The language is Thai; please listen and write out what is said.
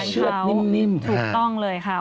เชือกนิ่มถูกต้องเลยค่ะ